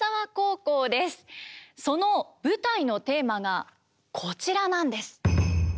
その舞台のテーマがこちらなんです。